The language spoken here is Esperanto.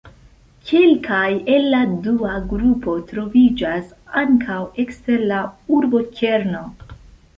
Kelkaj el la dua grupo troviĝas ankaŭ ekster la urbokerno.